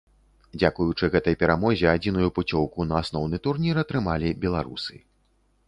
Дзякуючы гэтай перамозе адзіную пуцёўку на асноўны турнір атрымалі беларусы.